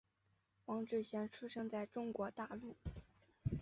黄志贤出生在中国大陆。